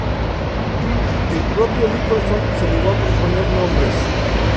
El propio Nicholson se negó a proponer nombres.